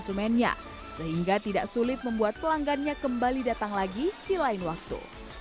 konsumennya sehingga tidak sulit membuat pelanggannya kembali datang lagi di lain waktu